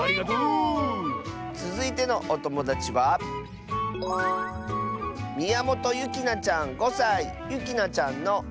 つづいてのおともだちはゆきなちゃんの。